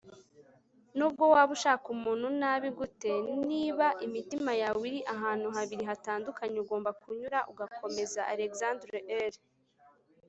nubwo waba ushaka umuntu nabi gute, niba imitima yawe iri ahantu habiri hatandukanye, ugomba kunyura ugakomeza - alexandra elle